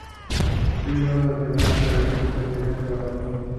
Fue llevado a los tribunales por un artículo que escribió en "¡¡Trabajadores!!